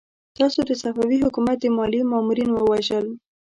تاسو د صفوي حکومت د ماليې مامورين ووژل!